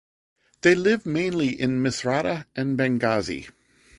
They live mainly in Misrata and Benghazi.